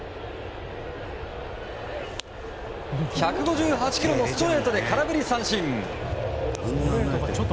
１５８キロのストレートで空振り三振。